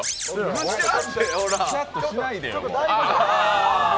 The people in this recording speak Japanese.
ぐしゃっとしないでよ。